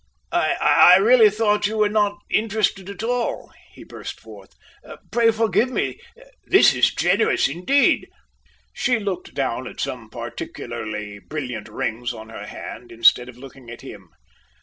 "I I really thought you were not interested at all," he burst forth. "Pray forgive me. This is generous indeed." She looked down at some particularly brilliant rings on her hand, instead of looking at him.